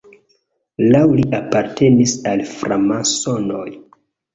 Laŭ li apartenis al framasonoj.